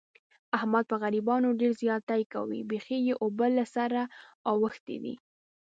احمد په غریبانو ډېر زیاتی کوي. بیخي یې اوبه له سره اوښتې دي.